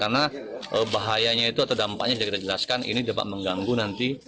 karena bahayanya itu atau dampaknya yang kita jelaskan ini dapat mengganggu nanti